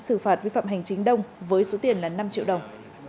xử phạt vi phạm hành chính đông với số tiền là năm triệu đồng